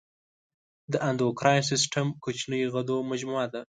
د اندوکراین سیستم کوچنیو غدو مجموعه ده.